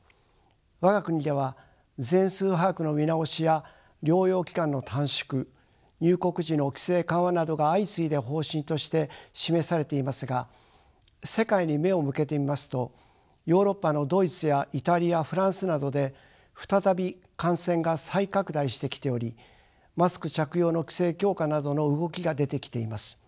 我が国では全数把握の見直しや療養期間の短縮入国時の規制緩和などが相次いで方針として示されていますが世界に目を向けてみますとヨーロッパのドイツやイタリアフランスなどで再び感染が再拡大してきておりマスク着用の規制強化などの動きが出てきています。